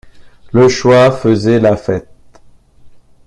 Le choix faisait la fête.